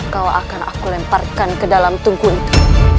kau akan aku lemparkan ke dalam tunggu itu